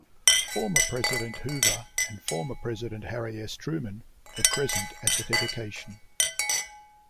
Former President Hoover and Former President Harry S. Truman were present at the dedication.